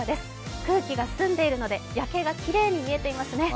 空気が澄んでいるので夜景がきれいに見えていますね。